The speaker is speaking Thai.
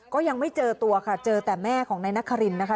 ก็ยังไม่เจอตัวค่ะเจอแต่แม่ของนายนครินนะคะ